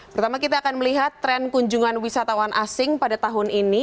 pertama kita akan melihat tren kunjungan wisatawan asing pada tahun ini